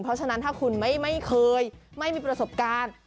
เพราะฉะนั้นถ้าคุณไม่เคยไม่มีประสบการณ์